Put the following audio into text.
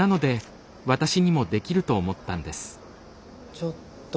ちょっと。